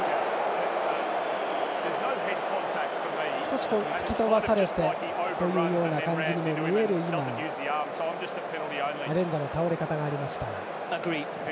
少し突き飛ばされてというような感じにも見えるアレンザの倒れ方がありました。